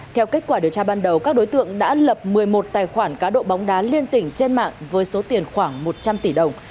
theo kết quả điều tra ban đầu các đối tượng đã lập một mươi một tài khoản cá độ bóng đá liên tỉnh trên mạng với số tiền khoảng một trăm linh tỷ đồng